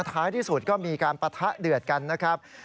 ท้ายที่สุดก็มีการปะทะเดือดกันนะครับ